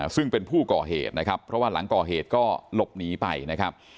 ซึ่งเป็นผู้ก่อเหตุนะครับเพราะว่าหลังก่อเหตุก็หลบหนีไปนะครับ